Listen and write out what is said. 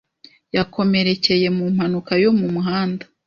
Yakomerekeye mu mpanuka yo mu muhanda.